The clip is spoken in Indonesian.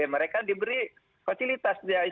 mereka diberi fasilitas